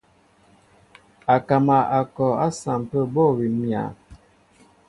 Akama a kɔ a sampə bô awim myǎ.